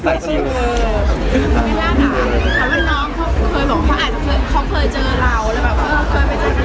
แล้วเคยไปเจอกันที่เตียงอะไรหรือ